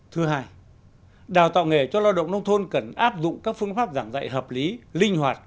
thứ hai đào tạo nghề cho lao động nông thôn cần áp dụng các phương pháp giảng dạy hợp lý linh hoạt